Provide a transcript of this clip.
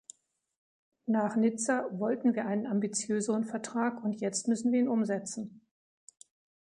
Nach Nizza wollten wir einen ambitiöseren Vertrag, und jetzt müssen wir ihn umsetzen.